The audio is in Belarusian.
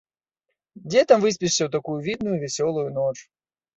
Дзе там выспішся ў такую відную вясёлую ноч?!